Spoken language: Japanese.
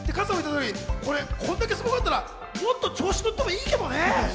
こんだけすごかったら、もっと調子乗ってもいいけどね。